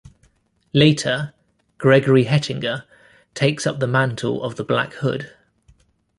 Later, Gregory Hettinger takes up the mantle of the Black Hood.